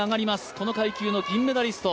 この階級の銀メダリスト。